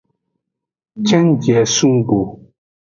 Cenjie sun go.